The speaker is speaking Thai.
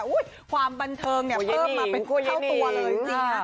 ความบันเทิงเนี่ยเพิ่มมาเป็นเท่าตัวเลยจริงค่ะ